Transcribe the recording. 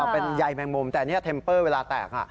เป็นใยแมงมุมแต่อันนี้เทมเปอร์เวลาแตก